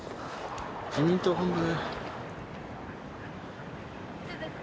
自民党本部！